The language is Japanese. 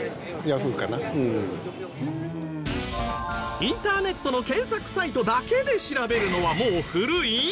インターネットの検索サイトだけで調べるのはもう古い？